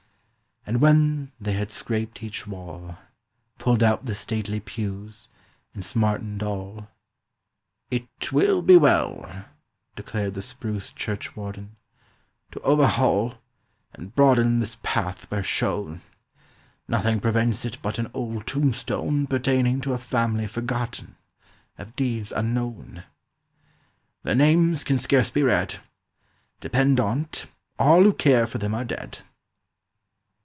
And when they had scraped each wall, Pulled out the stately pews, and smartened all, "It will be well," declared the spruce church warden, "To overhaul "And broaden this path where shown; Nothing prevents it but an old tombstone Pertaining to a family forgotten, Of deeds unknown. "Their names can scarce be read, Depend on't, all who care for them are dead."